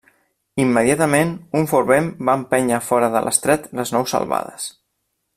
Immediatament un fort vent va empènyer fora de l'Estret les naus salvades.